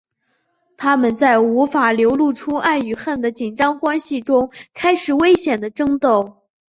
他们在无法流露出爱与恨的紧张关系中开始危险的争斗。